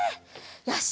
よし！